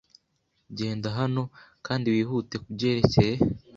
Genda hano kandi wihute kubyerekeye!